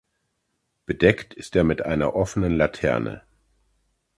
Bedeckt ist er mit einer offenen Laterne.